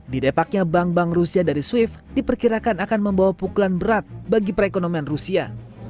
di depaknya bank bank rusia dari swift diperkirakan akan membawa pukulan berat bagi perekonomian rusia